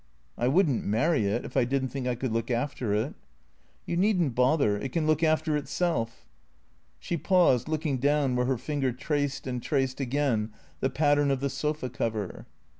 " I would n't marry it, if I did n't think I could look after it." " You need n't bother. It can look after itself." She paused, looking down where her finger traced and traced again the pattern of the sofa cover.